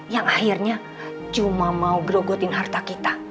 yang akhirnya cuma mau grogotin harta kita